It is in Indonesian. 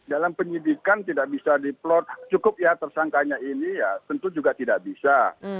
dalam penyidikan tidak bisa diplor cukup ya tersangkanya ini ya tentu juga tidak bisa